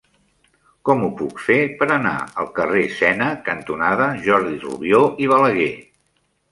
Com ho puc fer per anar al carrer Sena cantonada Jordi Rubió i Balaguer?